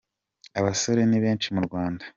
Abasore ni benshi mu Rwanda.